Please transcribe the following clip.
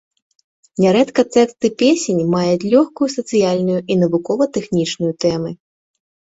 Нярэдка тэксты песень маюць лёгкую сацыяльную і навукова-тэхнічную тэмы.